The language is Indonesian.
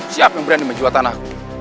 siapa yang berani menjual tanah